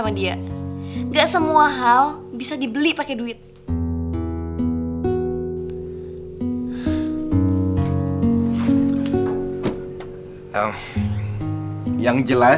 tapi aku bakal berdiri disini terus